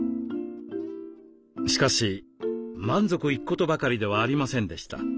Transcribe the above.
しかし満足いくことばかりではありませんでした。